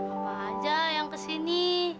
apa aja yang kesini